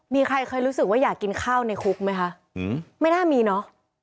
มีใครเคยรู้สึกว่าอยากกินข้าวในคุกไหมคะไม่น่ามีเนอะ